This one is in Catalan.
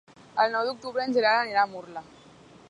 El nou d'octubre en Gerard anirà a Murla.